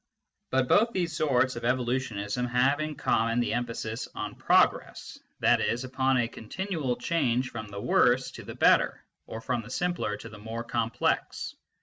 But both these sorts of evolutionism have in common the emphasis on progress, that is, upon a continual change from the worse to the better, or from the simpler to the more complex.